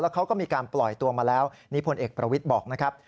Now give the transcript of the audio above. เขาก็มีการปล่อยตัวมาแล้วนี่พลเอกประวิทย์บอกนะครับ